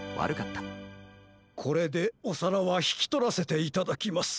これでおさらはひきとらせていただきます。